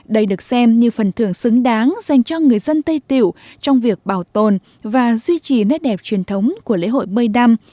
đây được xem như phần thưởng xứng đáng dành cho người dân tây tiểu trong việc bảo tồn và duy trì nét đẹp truyền thống của lễ hội bơi năm